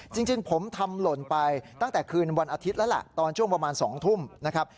จริงผมทำหล่นไปตั้งแต่คืนวันอาทิตย์แล้วล่ะตอนช่วงประมาณ๒ทุ่มนะครับ